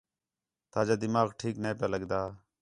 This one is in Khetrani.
تاجا دماغ ٹھیک نے پِیا لڳدا